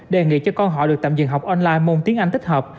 đề nghị cho con họ được tạm dừng học online môn tiếng anh tích hợp